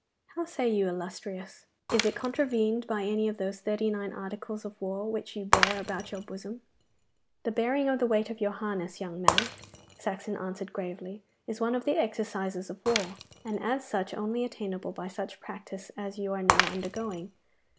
How say you, illustrious, is it contravened by any of those thirty nine articles of war which you bear about in your bosom?' 'The bearing of the weight of your harness, young man,' Saxon answered gravely, 'is one of the exercises of war, and as such only attainable by such practice as you are now undergoing.